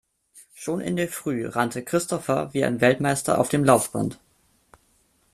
Schon in der Früh rannte Christopher wie ein Weltmeister auf dem Laufband.